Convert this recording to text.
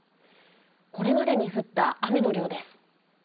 これまでに降った雨の量です。